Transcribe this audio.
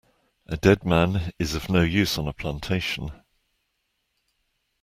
A dead man is of no use on a plantation.